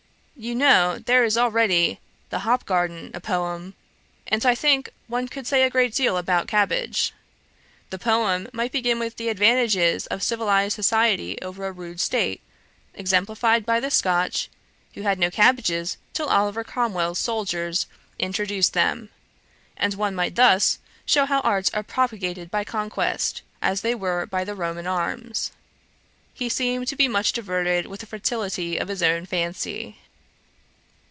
'You know there is already The Hop Garden, a Poem: and, I think, one could say a great deal about cabbage. The poem might begin with the advantages of civilised society over a rude state, exemplified by the Scotch, who had no cabbages till Oliver Cromwell's soldiers introduced them; and one might thus shew how arts are propagated by conquest, as they were by the Roman arms.' He seemed to be much diverted with the fertility of his own fancy.